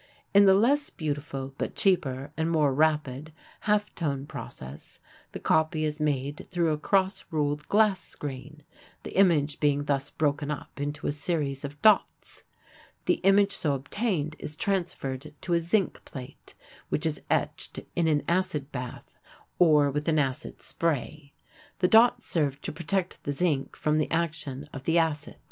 In the less beautiful but cheaper and more rapid half tone process the copy is made through a cross ruled glass screen, the image being thus broken up into a series of dots. The image so obtained is transferred to a zinc plate, which is etched in an acid bath or with an acid spray. The dots serve to protect the zinc from the action of the acid.